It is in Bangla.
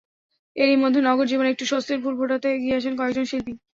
এরই মধ্যে নগর জীবনে একটু স্বস্তির ফুল ফোটাতে এগিয়ে আসেন কয়েকজন শিল্পী।